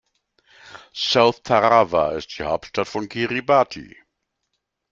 South Tarawa ist die Hauptstadt von Kiribati.